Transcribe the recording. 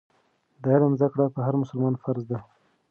د علم زده کړه په هر مسلمان فرض ده.